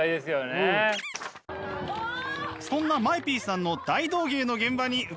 そんなＭＡＥＰさんの大道芸の現場に伺いました。